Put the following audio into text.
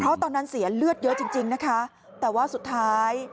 เพราะตอนนั้นเสียเลือดเยอะจริงจริงนะคะแต่ว่าสุดท้าย